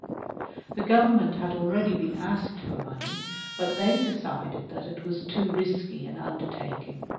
The government had already been asked for mone}^, but they decided that it was too risky an undertaking.